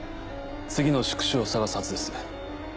次の宿主を探すはずです。